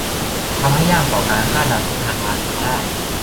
ทำให้ยากต่อการคาดเดาทิศทางราคาได้